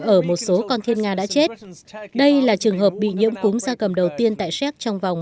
ở một số con thiên nga đã chết đây là trường hợp bị nhiễm cúm da cầm đầu tiên tại séc trong vòng